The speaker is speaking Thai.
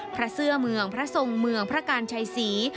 พระเสื้อเมืองพระทรงเมืองพระการชัยศรี